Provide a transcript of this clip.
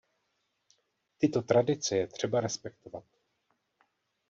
Tyto tradice je třeba respektovat.